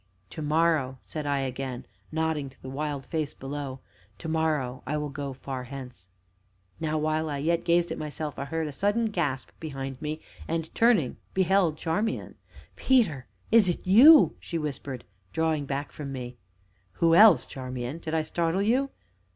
"To morrow," said I again, nodding to the wild face below, "to morrow I will go far hence." Now while I yet gazed at myself, I heard a sudden gasp behind me and, turning, beheld Charmian. "Peter! is it you?" she whispered, drawing back from me. "Who else, Charmian? Did I startle you?"